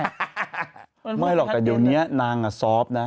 ไงหรอกแต่เดี๋ยวนี้นางอัฟสอล์ฟนะ